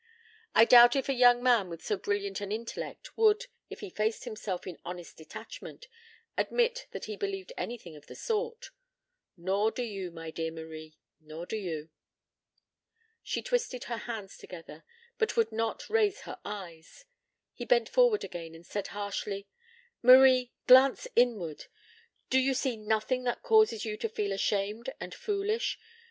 I doubt if a young man with so brilliant an intellect would, if he faced himself in honest detachment, admit that he believed anything of the sort. Nor do you, my dear Marie, nor do you." She twisted her hands together, but would not raise her eyes. He bent forward again and said harshly: "Marie! Glance inward. Do you see nothing that causes you to feel ashamed and foolish?